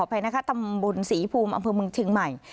ไปนะคะตำบลศรีภูมิอำเภอเมืองเชียงใหม่